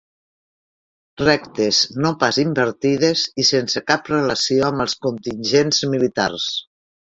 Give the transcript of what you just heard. Rectes, no pas invertides, i sense cap relació amb els contingents militars.